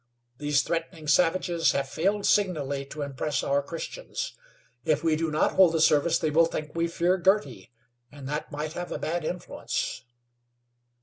These threatening savages have failed signally to impress our Christians. If we do not hold the service they will think we fear Girty, and that might have a bad influence."